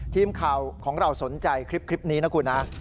ทีมข่าวของเราสนใจคลิปนี้นะคุณนะ